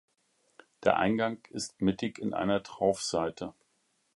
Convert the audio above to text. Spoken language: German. Der Eingang ist mittig in einer Traufseite.